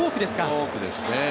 フォークですね。